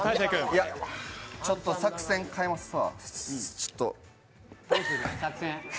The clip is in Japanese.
ちょっと作戦、変えますわ。